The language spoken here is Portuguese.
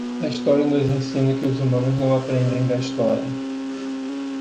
A história nos ensina que os humanos não aprendem da história.